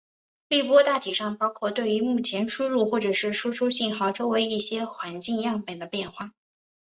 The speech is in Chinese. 滤波大体上包括对于目前输入或者输出信号周围一些环境样本的变换。